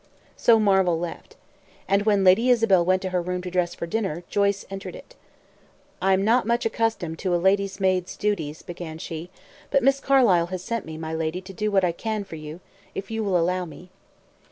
So Marvel left. And when Lady Isabel went to her room to dress for dinner, Joyce entered it. "I am not much accustomed to a lady's maid's duties," began she, "but Miss Carlyle has sent me, my lady, to do what I can for you, if you will allow me."